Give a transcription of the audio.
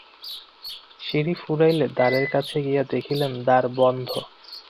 সিঁড়ি ফুরাইলে দ্বারের কাছে গিয়া দেখিলেন দ্বার বন্ধ।